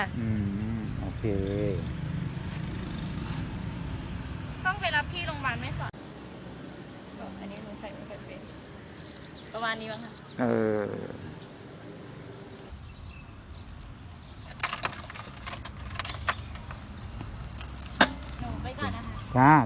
ต้องไปรับที่โรงพยาบาลไม่สอด